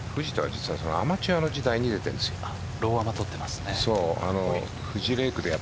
実はアマチュアの時代に出ているんですよ。